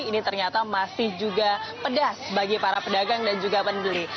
ini ternyata masih juga pedas bagi para pedagang dan juga pembeli